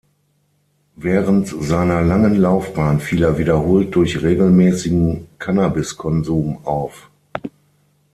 Während seiner langen Laufbahn fiel er wiederholt durch regelmäßigen Cannabiskonsum auf.